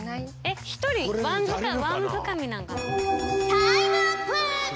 タイムアップ！